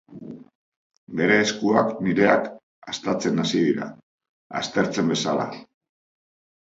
Bere eskuak nireak haztatzen hasi dira, aztertzen bezala.